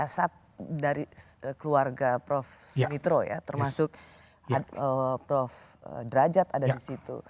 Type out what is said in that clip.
sumitro ya termasuk prof drajat ada disitu